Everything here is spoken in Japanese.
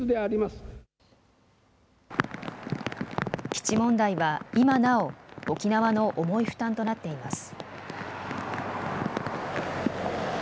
基地問題は今なお沖縄の重い負担となっています。